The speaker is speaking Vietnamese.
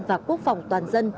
và quốc phòng toàn dân